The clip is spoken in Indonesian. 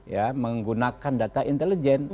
ya menggunakan data intelijen